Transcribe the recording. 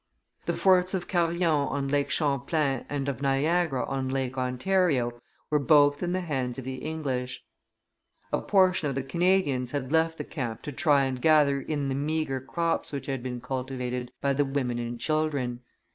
The forts of Carillon on Lake Champlain and of Niagara on Lake Ontario were both in the hands of the English. A portion of the Canadians had left the camp to try and gather in the meagre crops which had been cultivated by the women and children.